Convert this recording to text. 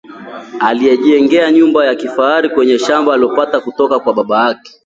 Alijijengea nyumba ya kifahari kwenye shamba alilopata kutoka kwa babake